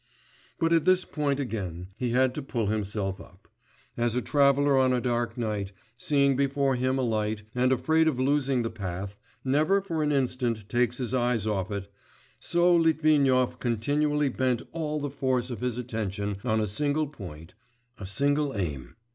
But at this point again he had to pull himself up. As a traveller on a dark night, seeing before him a light, and afraid of losing the path, never for an instant takes his eyes off it, so Litvinov continually bent all the force of his attention on a single point, a single aim.